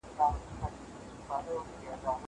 کالي وچ کړه.